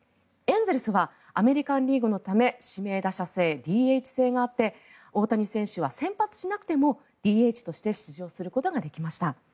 エンゼルスはアメリカン・リーグのため指名打者制、ＤＨ制があって大谷選手は先発しなくてもＤＨとして出場することができました。